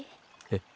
えっ？